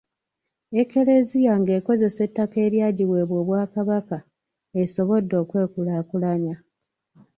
Eklezia nga ekozesa ettaka eryagiweebwa Obwakabaka esobodde okwekulaakulanya.